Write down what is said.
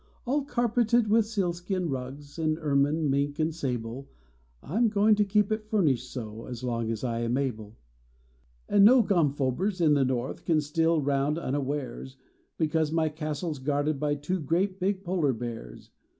All carpeted with sealskin rugs, An ermine, mink and sable ; I m going to keep it furnished so As long as I am able. 172 mi//.V CHRISTMAS MORN An no goniphobers in the north Can steal round unawares, Because my castle s guarded by Two great big polar bears.